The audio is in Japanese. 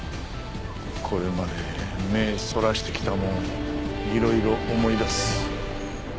これまで目ぇそらしてきたもんをいろいろ思い出す。